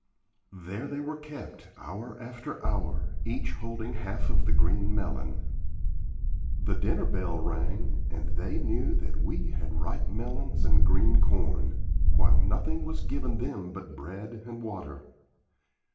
There they were kept, hour after hour, each holding half of the green melon. The dinner bell rang, and they knew that we had ripe melons and green corn; while nothing was given them but bread and water.